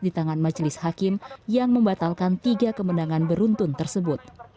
di tangan majelis hakim yang membatalkan tiga kemenangan beruntun tersebut